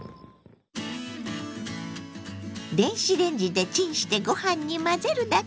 電子レンジでチンしてご飯に混ぜるだけ！